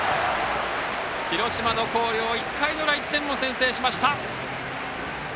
広島・広陵、１回の裏１点を先制しました。